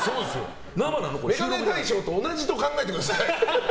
メガネ大賞と同じと考えてください。